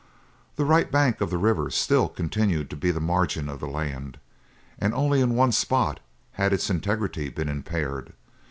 The right bank of the river still continued to be the margin of the land, and only in one spot had its integrity been impaired.